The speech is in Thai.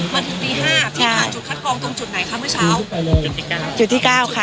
วันที่ตีห้าใช่ที่ผ่านจุดคัดกรองตรงจุดไหนคะเมื่อเช้าจุดที่เก้าจุดที่เก้าค่ะ